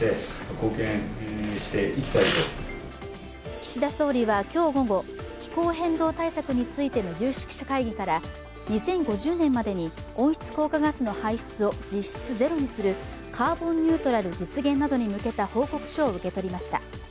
岸田総理は今日午後気候変動対策についての有識者会議から２０５０年までに温室効果ガスの排出を実質ゼロにするカーボンニュートラル実現などに向けた報告書を受け取りました。